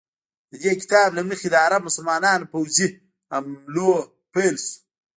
د دې کتاب له مخې د عرب مسلمانانو پوځي حملو پیل شو.